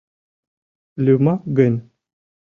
Лӱмак гын...